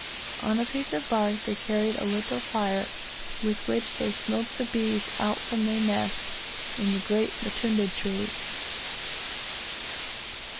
On a piece of bark they carried a little fire with which they smoked the bees out from their nest in the great mtundu trees.